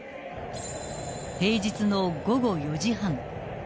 ［平日の午後４時半］